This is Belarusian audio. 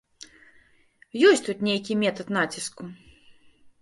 Ёсць тут нейкі метад націску.